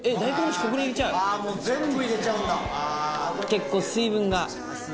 結構水分が。